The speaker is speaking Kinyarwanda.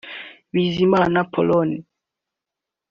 Bizimana Paulin